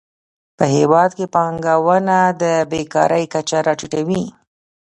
په هیواد کې پانګونه د بېکارۍ کچه راټیټوي.